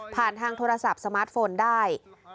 ทางโทรศัพท์สมาร์ทโฟนได้